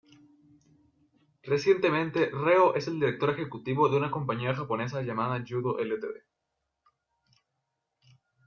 Recientemente, Reo es el director ejecutivo de una compañía japonesa llamada "Yudo Ltd.